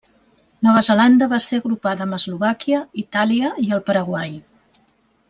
Nova Zelanda va ser agrupada amb Eslovàquia, Itàlia i el Paraguai.